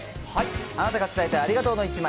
あなたが伝えたいありがとうの１枚。